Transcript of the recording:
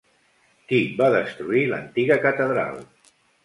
Qui va destruir l'antiga catedral?